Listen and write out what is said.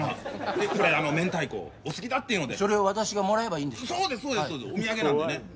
これあのめんたいこお好きだっていうのでそれを私がもらえばいいんですかそうですお土産なんでね